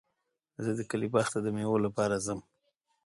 زه د کلي باغ ته د مېوو لپاره ځم.